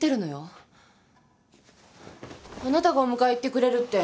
あなたがお迎え行ってくれるって。